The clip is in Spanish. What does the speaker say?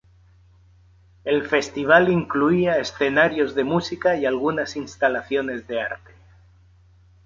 El festival incluía escenarios de música y algunas instalaciones de arte.